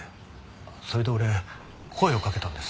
それで俺声をかけたんです。